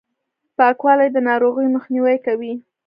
پاکوالي، د ناروغیو مخنیوی کوي.